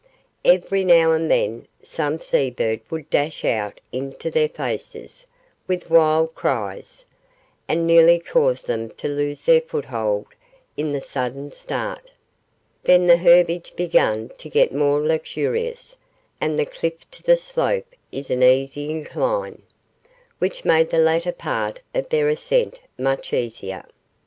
Every now and then some seabird would dash out into their faces with wild cries, and nearly cause them to lose their foothold in the sudden start. Then the herbage began to get more luxurious, and the cliff to slope in an easy incline, which made the latter part of their ascent much easier.